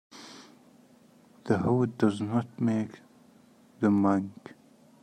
The hood does not make the monk.